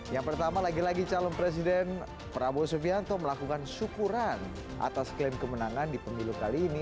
yang pertama lagi lagi calon presiden prabowo subianto melakukan syukuran atas klaim kemenangan di pemilu kali ini